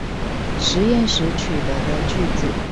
實驗時取得的句子